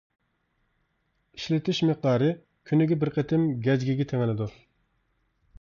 ئىشلىتىش مىقدارى: كۈنىگە بىر قېتىم گەجگىگە تېڭىلىدۇ.